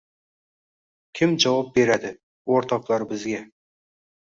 Kim javob beradi, o’rtoqlar bizga?..